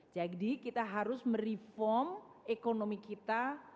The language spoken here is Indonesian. jadi kita harus mereform ekonomi kita